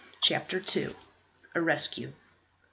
CHAPTER II. A RESCUE.